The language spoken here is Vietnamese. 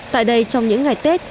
tại đây trong những ngày tết